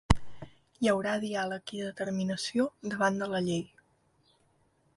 Hi haurà diàleg i determinació davant de la llei.